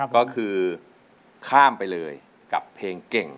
ก็คือข้ามไปเลยกับเพลงเก่ง